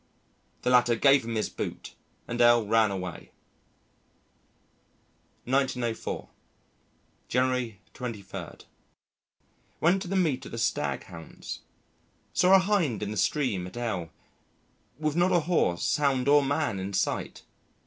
The latter gave him his boot and L ran away. 1904 January 23. Went to the meet of the Stag hounds. Saw a hind in the stream at L with not a horse, hound, or man in sight.